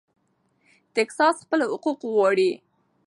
ټیکساس خپل حق غواړي.